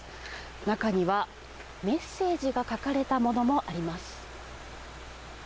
中には、メッセージが書かれたものもあります。